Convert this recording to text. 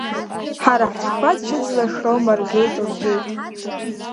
Ҳара ҳтәқәа цәыӡла Шрома ргеит, лҳәеит.